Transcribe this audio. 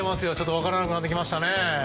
分からなくなってきましたね。